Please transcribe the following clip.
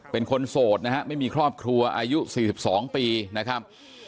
เป็นคนโสดนะฮะไม่มีครอบครัวอายุ๔๒ปีนะครับ